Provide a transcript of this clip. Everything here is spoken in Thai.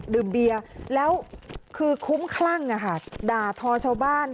ดื่มเบียร์แล้วคือคุ้มคลั่งด่าทอชาวบ้าน